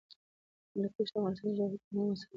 هندوکش د افغانستان د جغرافیوي تنوع مثال دی.